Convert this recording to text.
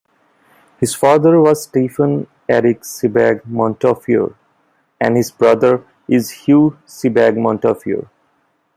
His father was Stephen Eric Sebag Montefiore and his brother is Hugh Sebag-Montefiore.